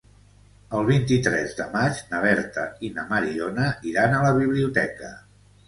El vint-i-tres de maig na Berta i na Mariona iran a la biblioteca.